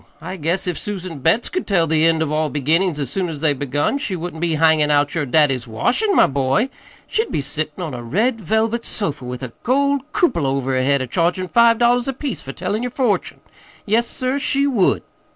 I guess if Susan Betts could tell the end of all the beginnin's as soon as they're begun, she wouldn't be hangin' out your daddy's washin', my boy. She'd be sittin' on a red velvet sofa with a gold cupola over her head a chargin' five dollars apiece for tellin' yer fortune. Yes, sir, she would!"